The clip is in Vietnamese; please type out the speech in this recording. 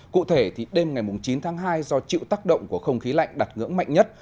cụ thể thì đêm ngày chín tháng hai do chịu tác động của không khí lạnh đặt ngưỡng mạnh nhất